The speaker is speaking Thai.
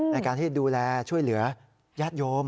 ในการที่ดูแลช่วยเหลือญาติโยม